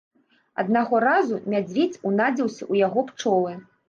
Аднаго разу мядзведзь унадзіўся ў яго пчолы.